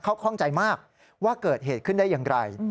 เขาคล่องใจมากว่าเกิดเหตุขึ้นได้อย่างไร